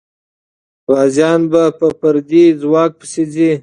غازيان په پردي ځواک پسې ځي.